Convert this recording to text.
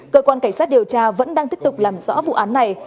cơ quan cảnh sát điều tra vẫn đang tiếp tục làm rõ vụ án này